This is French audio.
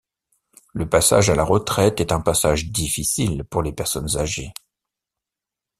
Le passage à la retraite est un passage difficile pour les personnes âgées.